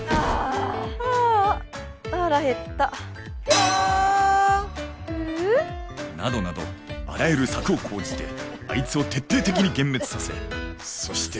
プなどなどあらゆる策を講じてあいつを徹底的に幻滅させそして